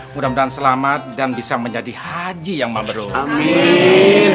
mudah mudahan selamat dan bisa menjadi haji yang memerlukan